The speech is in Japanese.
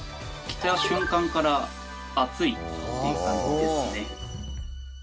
着た瞬間から暑いっていう感じですね。